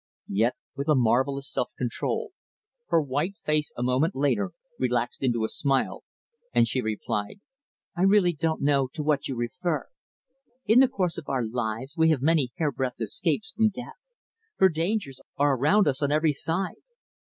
Yet, with a marvellous self control, her white face a moment later relaxed into a smile, and she replied "I really don't know to what you refer. In the course of our lives we have many hairbreadth escapes from death, for dangers are around us on every side."